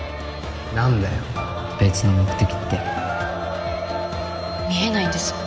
何だよ別の目的って見えないんです